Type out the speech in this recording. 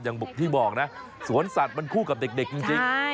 อย่างที่บอกนะสวนสัตว์มันคู่กับเด็กจริง